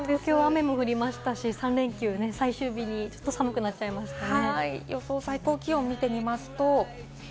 雨も降りましたし、３連休最終日、ちょっと寒くなっちゃいましたね。